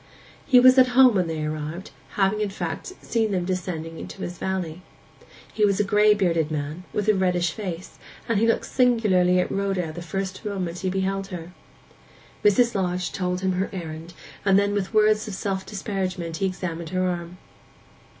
He was at home when they arrived, having in fact seen them descending into his valley. He was a gray bearded man, with a reddish face, and he looked singularly at Rhoda the first moment he beheld her. Mrs. Lodge told him her errand; and then with words of self disparagement he examined her arm.